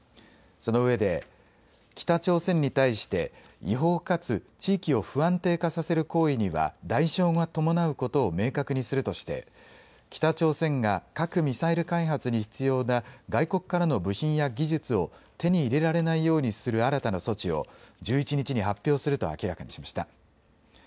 そのうえで北朝鮮に対して違法かつ地域を不安定化させる行為には代償が伴うことを明確にするとして北朝鮮が核・ミサイル開発に必要な外国からの部品や技術を手に入れられないようにする新たな措置を１１日に発表すると明らかにしました。